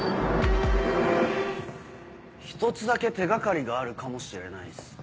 １つだけ手掛かりがあるかもしれないっす。